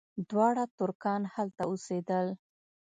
دواړه ترکان هلته اوسېدل.